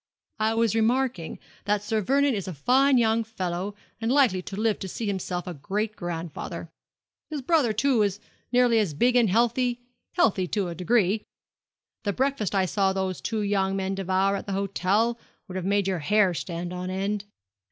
'I was remarking that Sir Vernon is a fine young fellow, and likely to live to see himself a great grandfather. His brother, too, is nearly as big and healthy healthy to a degree. The breakfast I saw those two young men devour at the hotel would have made your hair stand on end.